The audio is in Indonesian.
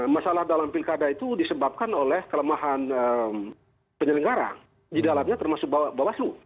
masalah dalam pilkada itu disebabkan oleh kelemahan penyelenggara di dalamnya termasuk bawaslu